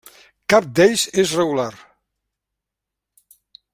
Cap d'ells és regular.